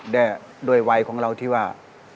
ด้วยวัยของเราที่ว่า